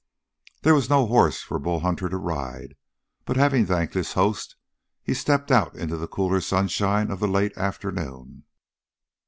There was no horse for Bull Hunter to ride. But, having thanked his host, he stepped out into the cooler sunshine of the late afternoon.